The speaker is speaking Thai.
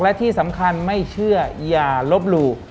และที่สำคัญไม่เชื่ออย่าลบหลู่